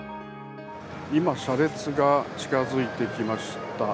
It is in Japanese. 今、車列が近づいてきました。